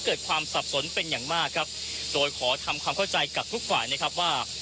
เกิดความสับสนเป็นอย่างมากครับโดยขอทำความเข้าใจกับทุกฝ่ายนะครับว่า